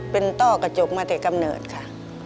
เป็นต้อกระจกมาแต่กำเนิดค่ะ